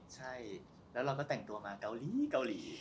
ใช่แล้วเราก็แต่งตัวมาเกาหลีเกาหลี